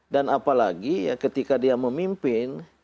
dan apalagi ketika dia memimpin